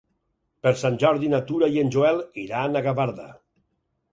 Per Sant Jordi na Tura i en Joel iran a Gavarda.